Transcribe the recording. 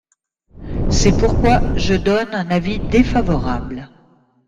C’est pourquoi je donne un avis défavorable.